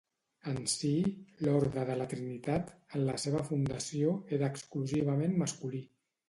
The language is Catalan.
En si, l'Orde de la Trinitat, en la seva fundació, era exclusivament masculí.